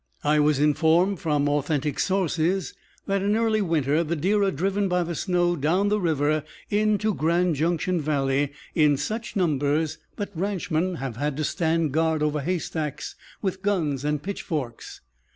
I was informed from authentic sources that in early winter the deer are driven by the snow down the river in to Grand Junction valley in such numbers that ranchmen have had to stand guard over haystacks with guns and pitchforks.